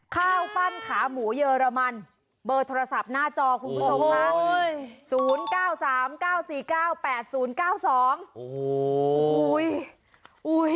ข้าวปั้นขาหมูเยอรมันเบอร์โทรศัพท์หน้าจอคุณผู้ชมค่ะ